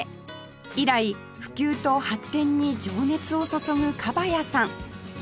以来普及と発展に情熱を注ぐ蒲谷さん